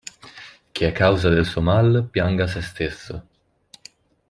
Chi è causa del suo mal, pianga sé stesso.